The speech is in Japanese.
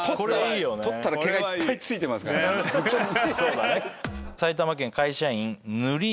取ったら毛がいっぱい付いてますからね頭巾に。